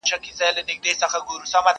له هراته تر زابله سره یو کور د افغان کې،